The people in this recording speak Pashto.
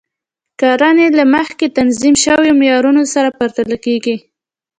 کړنې له مخکې تنظیم شوو معیارونو سره پرتله کیږي.